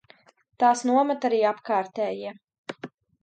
Tās nomet arī apkārtējie.